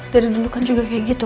dari dulu kan juga kayak gitu